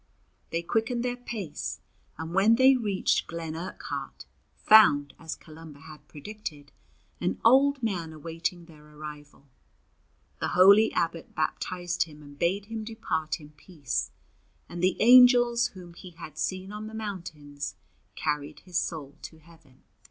They quickened their pace, and when they reached Glen Urquhart, found, as Columba had predicted, an old man awaiting their arrival. The holy abbot baptized him and bade him depart in peace, and the angels whom he had seen on the mountains carried his soul to heaven.